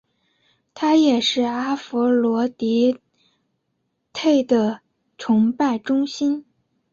它也是阿佛罗狄忒的崇拜中心。